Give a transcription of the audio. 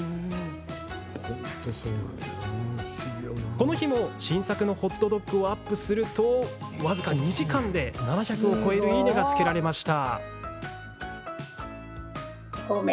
この日も新作のホットドッグをアップすると僅か２時間で７００を超えるいいね！がつけられました。